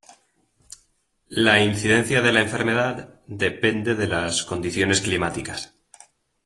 La incidencia de la enfermedad depende de las condiciones climáticas.